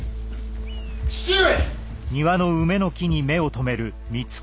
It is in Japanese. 父上！